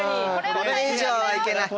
これ以上は行けない。